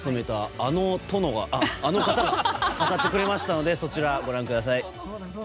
あの方が語ってくれましたのでそちらご覧ください。